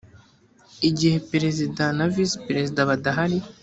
igihe perezida na visi perezida badahari